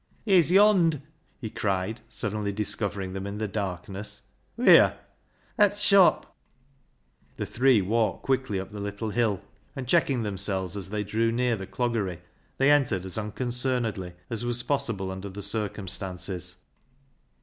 " He's yond'," he cried, suddenly discovering them in the darkness. "Wheer?" " At th' shop." The three walked quickly up the little hill, SALLY'S REDEMPTION 137 and checking themselves as they ch'cw near the Cloggery, they entered as unconcernedly as was possible under the circumstances.